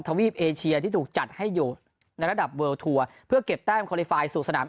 วีปเอเชียที่ถูกจัดให้อยู่ในระดับเลิลทัวร์เพื่อเก็บแต้มคอลิไฟล์สู่สนาม